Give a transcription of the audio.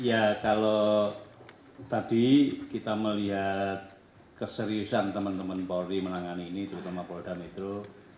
ya kalau tadi kita melihat keseriusan teman teman polri menangani ini terutama polda metro